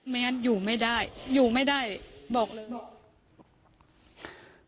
งั้นอยู่ไม่ได้อยู่ไม่ได้บอกเลยบอก